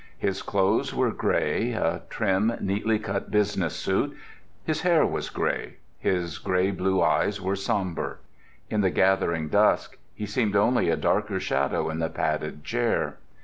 His clothes were gray—a trim, neatly cut business suit; his hair was gray; his gray blue eyes were sombre. In the gathering dusk he seemed only a darker shadow in the padded chair.